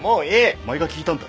お前が聞いたんだろ。